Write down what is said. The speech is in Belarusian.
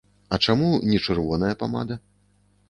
А чаму не чырвоная памада?